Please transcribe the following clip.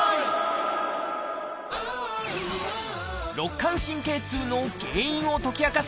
肋間神経痛の原因を解き明かす